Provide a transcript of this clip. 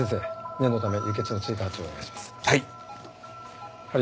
念のため輸血の追加発注をお願いします。